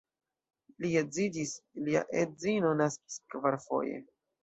Li edziĝis, lia edzino naskis kvarfoje.